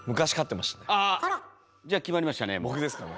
あら！じゃ決まりましたね